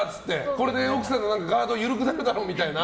これで奥さんのガード緩くなるだろうみたいな。